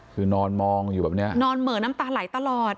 คือนอนมองอยู่แบบนี้นอนเหม่อน้ำตาไหลตลอด